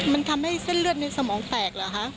มันทำให้เส้นเลือดในสมองแตกเหรอคะ